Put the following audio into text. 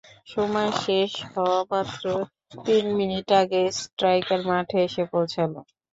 সময় শেষ হওয়া মাত্র তিন মিনিট আগে স্ট্রাইকার মাঠে এসে পৌঁছাই।